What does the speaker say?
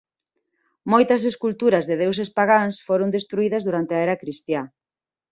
Moitas esculturas de deuses pagáns foron destruídas durante a era cristiá.